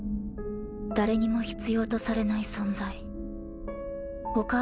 誰にも必要とされない存在。